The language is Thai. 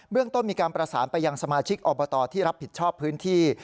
เรื่องต้นมีการประสานไปยังสมาชิกอบตที่รับผิดชอบพื้นที่